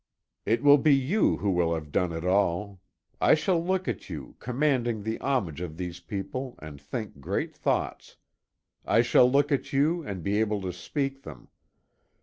"It will be you who will have done it all. I shall look at you, commanding the homage of these people, and think great thoughts. I shall look at you, and be able to speak them.